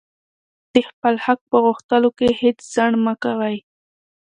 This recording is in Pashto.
د خپل حق په غوښتلو کښي هېڅ ځنډ مه کوئ!